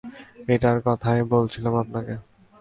এটার কথাই বলছিলাম আপনাকে।